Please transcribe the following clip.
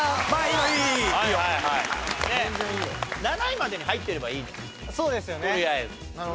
７位までに入ってればいいの。